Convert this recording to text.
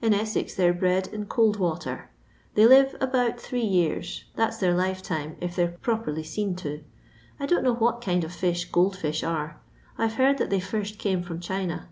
In Essex they 're bred in cold water. They live about three years; that 's their lifetime if they 're properly seen to. I don't know what kind of fish gold fish are. I 've heard that they first came from China.